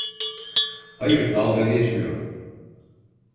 Hayır, dalga geçmiyorum.